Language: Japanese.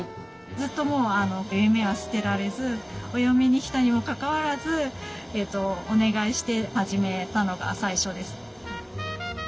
ずっともう夢は捨てられずお嫁に来たにもかかわらずお願いして始めたのが最初です。